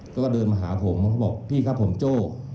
ก็เดินมาหาผมเขาบอกพี่ครับผมโจ้